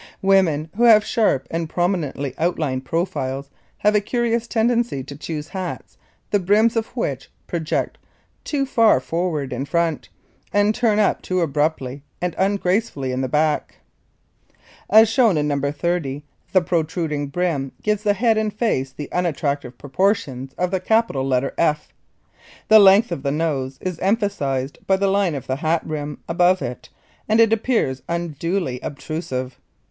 [Illustration: NOS. 30 AND 31] Women who have sharp and prominently outlined profiles have a curious tendency to choose hats, the brims of which project too far forward in front, and turn up too abruptly and ungracefully in the back. As shown in No. 30 the protruding brim gives the head and face the unattractive proportions of the capital letter "F." The length of the nose is emphasized by the line of the hat rim above it and it appears unduly obtrusive.